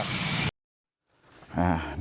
หายใจไม่ออก